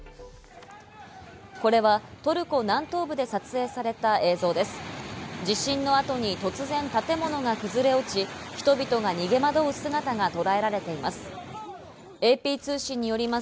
これはトルコ南東部で撮影された映像です。